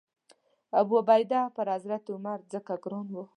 ابوعبیده پر حضرت عمر ځکه ګران و.